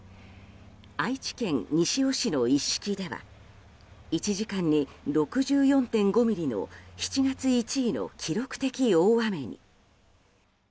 愛知県西尾市の一色では１時間に６４．５ミリの７月１位の記録的大雨に。